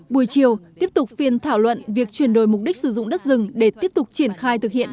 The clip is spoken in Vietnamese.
buổi chiều tiếp tục phiên thảo luận việc chuyển đổi mục đích sử dụng đất rừng để tiếp tục triển khai thực hiện